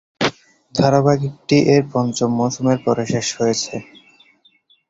ধারাবাহিকটি এর পঞ্চম মৌসুমের পরে শেষ হয়েছে।